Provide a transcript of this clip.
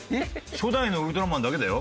初代のウルトラマンだけだよ